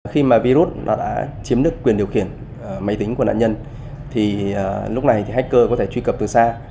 khi mà virus nó đã chiếm được quyền điều khiển máy tính của nạn nhân thì lúc này thì hacker có thể truy cập từ xa